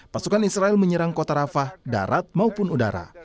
pasukan israel menyerang kota rafah darat maupun udara